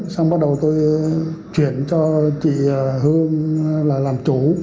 xong bắt đầu tôi chuyển cho chị hương là làm chủ